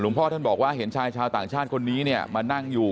พ่อท่านบอกว่าเห็นชายชาวต่างชาติคนนี้เนี่ยมานั่งอยู่